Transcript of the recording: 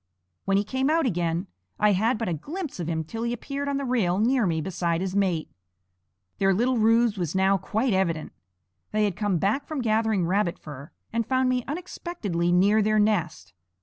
When he came out again I had but a glimpse of him till he appeared on the rail near me beside his mate. Their little ruse was now quite evident. They had come back from gathering rabbit fur, and found me unexpectedly near their nest.